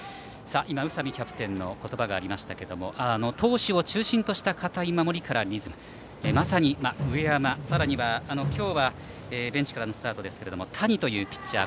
今、宇佐美キャプテンの言葉がありましたが投手を中心とした堅い守りからまさに、上山、さらには今日はベンチからのスタートですが谷というピッチャー